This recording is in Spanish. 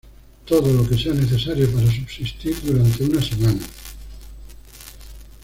Todo lo que sea necesario para subsistir durante una semana.